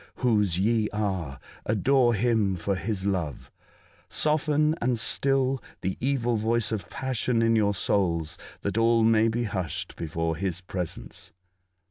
Whose ye are ! Adore Him for His love ! Soften and still the evil voice of passion in your souls, that all may be hushed before His presence